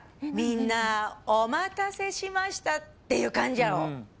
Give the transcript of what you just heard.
「みんなお待たせしました！っていう感じやろ」